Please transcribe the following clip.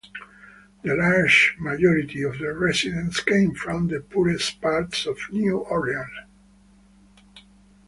The large majority of the residents came from the poorest parts of New Orleans.